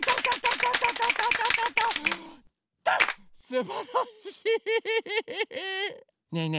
すばらしい！